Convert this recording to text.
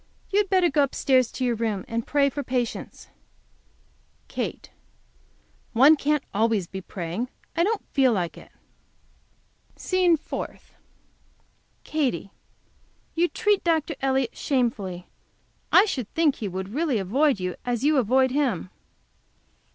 You had better go upstairs to your room and pray for patience. Katy. One can't be always praying. I don't feel like it. SCENE FOURTH. Katy. You treat Dr. Elliott shamefully. I should think he would really avoid you as you avoid him.